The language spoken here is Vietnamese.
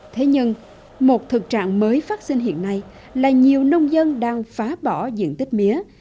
thế nhưng một thực trạng mới phát sinh hiện nay là nhiều nông dân đang phá bỏ diện tích mía